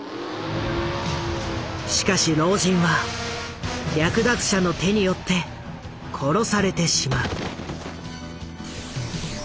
しかし老人は略奪者の手によって殺されてしまう。